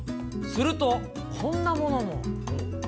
すると、こんなものも。